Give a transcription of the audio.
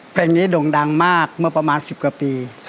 เพลงนี้โด่งดังมากเมื่อประมาณ๑๐กว่าปี